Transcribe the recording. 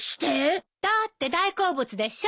だって大好物でしょ？